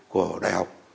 của đại học